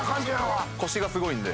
コシがすごいんで。